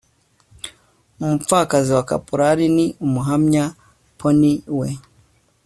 Umupfakazi wa Kaporali ni umuhamya pony we